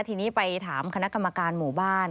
ทีนี้ไปถามคณะกรรมการหมู่บ้าน